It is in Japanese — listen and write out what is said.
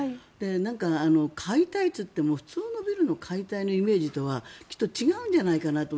なんか解体といっても普通のビルの解体のイメージとはきっと違うんじゃないかなと。